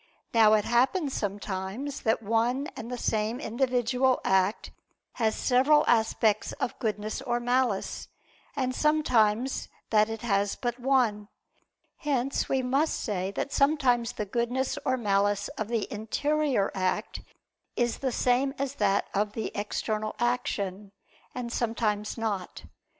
Now it happens sometimes that one and the same individual act has several aspects of goodness or malice, and sometimes that it has but one. Hence we must say that sometimes the goodness or malice of the interior act is the same as that of the external action, and sometimes not.